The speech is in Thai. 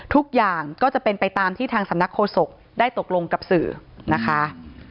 ทุกอย่างก็จะเป็นไปตามที่ทางสำนักโฆษกได้ตกลงกับสื่อนะคะ